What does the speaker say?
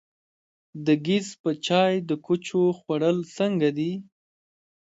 د ګیځ په چای د کوچو خوړل څنګه دي؟